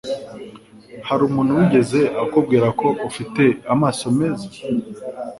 Hari umuntu wigeze akubwira ko ufite amaso meza?